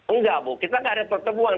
enggak bu kita gak ada pertemuan